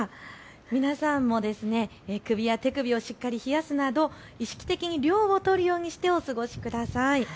皆さんも首や手首をしっかり冷やすなど意識的に涼を取るようにしてお過ごしください。